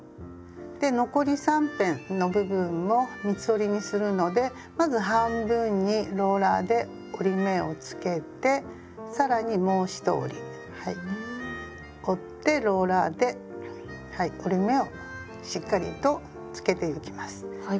で残り三辺の部分も三つ折りにするのでまず半分にローラーで折り目をつけて更にもう一折り折ってローラーで折り目をしっかりとつけてゆきます。